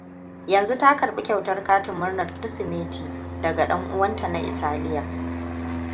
Yanzu ta karbi kyautar katin murnar kirsimeti daga danuwanta na Italiya.